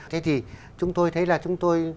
thế thì chúng tôi thấy là chúng tôi